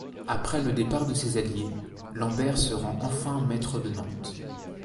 Après le départ de ses alliés, Lambert se rend enfin maître de Nantes.